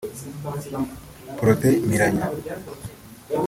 Protais Mpiranya